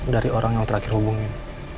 dari orang yang terakhir hubungin